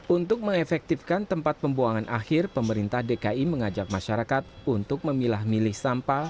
untuk mengefektifkan tempat pembuangan akhir pemerintah dki mengajak masyarakat untuk memilah milih sampah